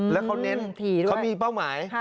แล้วเขาเน้นเขามีเป้าหมาย